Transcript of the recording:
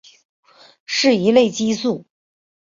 是一类激素。